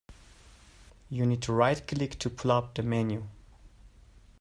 You need to right click to pull up the menu.